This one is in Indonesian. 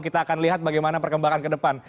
kita akan lihat bagaimana perkembangan ke depan